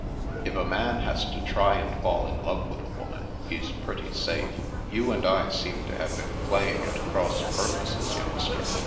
" If a man has to try and fall in love with a woman, he's pretty safe. You and I seem to have been playing at cross purposes, youngster.